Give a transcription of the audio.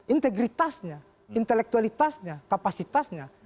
integritasnya intelektualitasnya kapasitasnya